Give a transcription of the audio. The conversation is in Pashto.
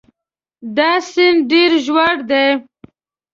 دا سیند ډېر ژور دی.